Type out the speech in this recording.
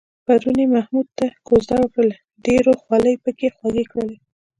پرون یې محمود ته کوزده وکړله، ډېرو خولې پکې خوږې کړلې.